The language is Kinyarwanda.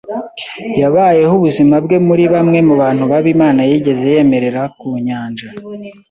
yabayeho ubuzima bwe muri bamwe mubantu babi Imana yigeze yemerera ku nyanja,